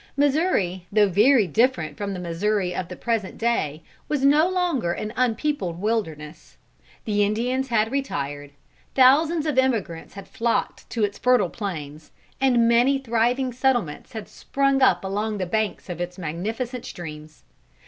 Missouri, though very different from the Missouri of the present day, was no longer an unpeopled wilderness. The Indians had retired; thousands of emigrants had flocked to its fertile plains, and many thriving settlements had sprung up along the banks of its magnificent streams.